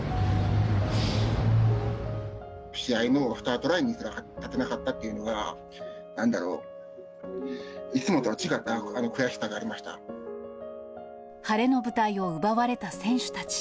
試合のスタートラインにすら立てなかったというのは、なんだろう、いつもとは違った悔しさが晴れの舞台を奪われた選手たち。